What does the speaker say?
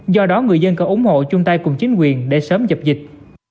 do đó người dân cần ủng hộ chung tay cùng chính quyền để sớm dập dịch